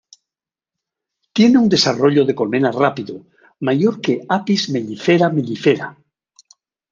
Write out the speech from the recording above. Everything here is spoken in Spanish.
Tiene un desarrollo de colmena rápido, mayor que "Apis mellifera mellifera".